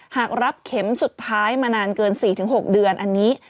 หากรับเข็มสุดท้ายมานานเกิน๔๖เดือนอันนี้